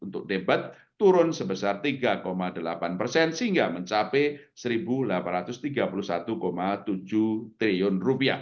untuk debat turun sebesar rp tiga delapan persen sehingga mencapai rp satu delapan ratus tiga puluh satu tujuh triliun